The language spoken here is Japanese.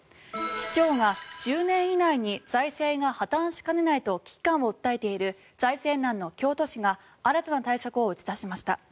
市長が１０年以内に財政が破たんしかねないと危機感を訴えている財政難の京都市が新たな対策を打ち出しました。